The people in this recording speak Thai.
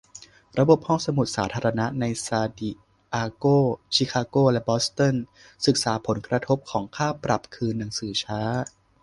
ระบบห้องสมุดสาธารณะในซานดิเอโก ชิคาโก และบอสตัน ศึกษาผลกระทบของค่าปรับคืนหนังสือช้า